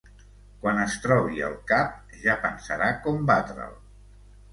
Quan es trobi el cap, ja pensarà com batre'l.